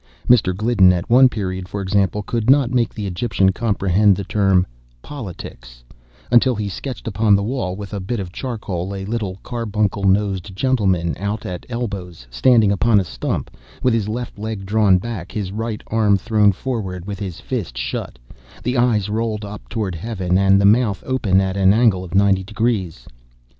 Mr. Gliddon, at one period, for example, could not make the Egyptian comprehend the term "politics," until he sketched upon the wall, with a bit of charcoal a little carbuncle nosed gentleman, out at elbows, standing upon a stump, with his left leg drawn back, right arm thrown forward, with his fist shut, the eyes rolled up toward Heaven, and the mouth open at an angle of ninety degrees.